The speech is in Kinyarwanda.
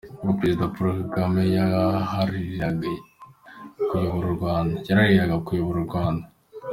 Ubwo Perezida Paul Kagame yarahiriraga kuyobora u Rwanda.